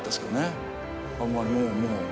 あんまりもうもう。